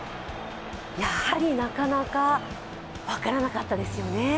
やはりなかなか分からなかったですよね。